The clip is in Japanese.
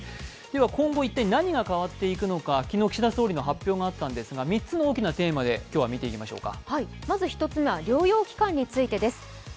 では今後、一体何が変わっていくのか、昨日、岸田総理の発表があったんですが３つの大きなテーマで今日は見ていきましょうか。